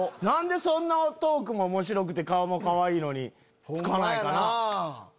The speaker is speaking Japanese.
何でそんなトークおもしろくてかわいいのにつかないんかなぁ。